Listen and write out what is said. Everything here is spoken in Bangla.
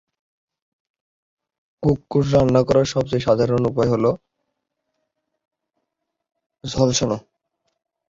কুক্কুট রান্না করার সবচেয়ে সাধারণ উপায় হল ঝলসানো।